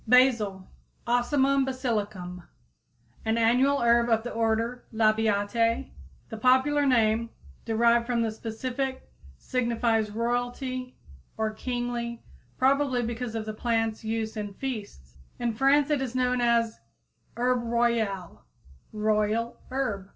=Basil= (Ocymum basilicum, Linn.), an annual herb of the order Labiatæ. The popular name, derived from the specific, signifies royal or kingly, probably because of the plant's use in feasts. In France it is known as herb royale, royal herb.